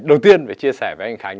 đầu tiên phải chia sẻ với anh khánh